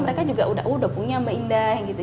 mereka juga udah punya mbak indah gitu